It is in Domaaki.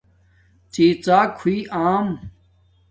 ڎی ڎاک ہوئئ آم